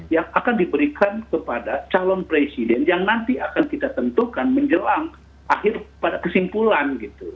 yang akan diberikan kepada calon presiden yang nanti akan kita tentukan menjelang akhir pada kesimpulan gitu